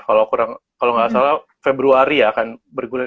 kalau kurang kalau nggak salah februari ya akan bergulir